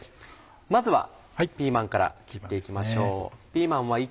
まずはピーマンから切って行きましょう。